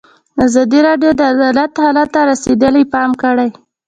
ازادي راډیو د عدالت حالت ته رسېدلي پام کړی.